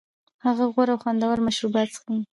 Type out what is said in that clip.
هغه غوره او خوندور مشروبات څښي